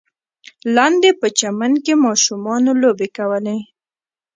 لاندې په چمن کې ماشومانو لوبې کولې.